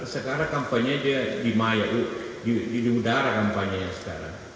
sekarang kampanye di udara kampanye sekarang